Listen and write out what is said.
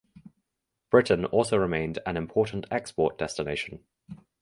Britain also remained an important export destination.